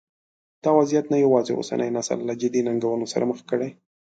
دا وضعیت نه یوازې اوسنی نسل له جدي ننګونو سره مخ کړی.